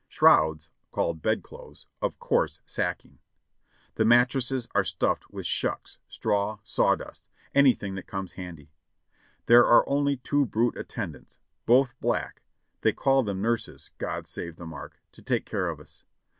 Shrouds, called bed clothes, of coarse sacking. The mattresses are stuffed with shucks, straw, sawdust — anything that comes handy. There are only two brute attendants, both black (they call them nurses, God save the mark!) to take care of us.